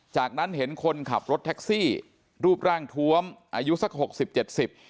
จากนั้นเห็นคนขับรถแท็กซี่รูปร่างทวมอายุสักหกสิบเจ็ดสิบ